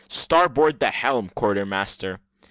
Starboard the helm, quarter master."